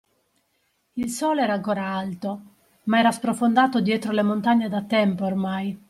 Il sole era ancora alto, ma era sprofondato dietro le montagne da tempo ormai